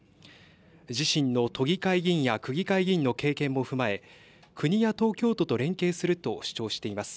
自身の都議会議員や区議会議員の経験も踏まえ、国や東京都と連係すると主張しています。